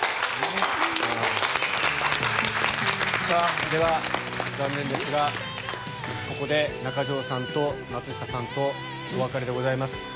さぁでは残念ですがここで中条さんと松下さんとお別れでございます。